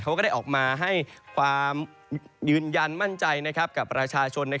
ก็ได้ออกมาให้ความยืนยันมั่นใจกับประชาชน